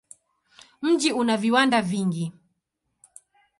Mji una viwanda vingi.